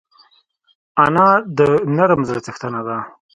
انا د نرم زړه څښتنه ده